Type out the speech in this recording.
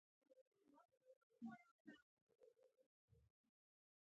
سلیمان غر د افغان کلتور په پخوانیو داستانونو کې راځي.